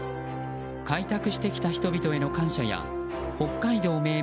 開拓してきた人々への感謝や北海道命名